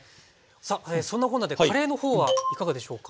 さあそんなこんなでカレーの方はいかがでしょうか？